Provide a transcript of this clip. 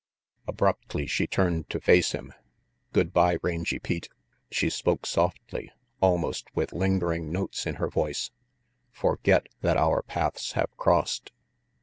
Abruptly she turned to face him. "Good bye, Rangy Pete." She spoke softly, RANGY PETE 245 almost with lingering notes in her voice. "Forget that our paths have crossed."